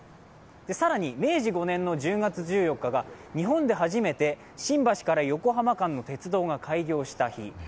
更に明治５年の１０月１４日が日本で初めて新橋から横浜間の鉄道が開業した日。